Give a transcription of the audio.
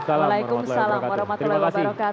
waalaikumsalam warahmatullahi wabarakatuh